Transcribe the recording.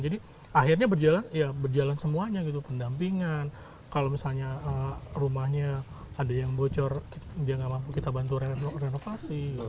jadi akhirnya berjalan semuanya gitu pendampingan kalau misalnya rumahnya ada yang bocor dia nggak mampu kita bantu renovasi